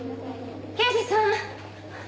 刑事さん！